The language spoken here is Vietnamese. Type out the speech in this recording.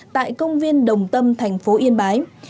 tại công viên đồng tâm thành phố yên bái